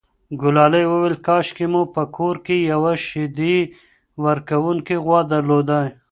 ګلالۍ وویل کاشکې مو په کور کې یوه شیدې ورکوونکې غوا درلودای.